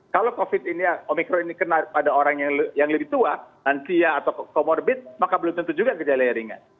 kalau covid ini omikron ini kena pada orang yang lebih tua lansia atau comorbid maka belum tentu juga gejala ringan